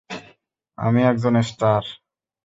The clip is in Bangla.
আমি একজন স্টার।